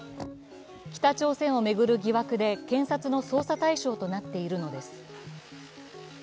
北朝鮮を巡る疑惑で検察の捜査対象となっているのです。